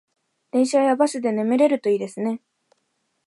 電車やバスで眠れるといいですね